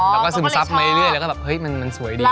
แล้วก็ซึมซับมาเรื่อยแล้วก็แบบเฮ้ยมันสวยดี